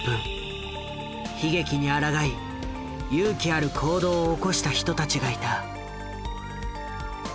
悲劇にあらがい勇気ある行動を起こした人たちがいた。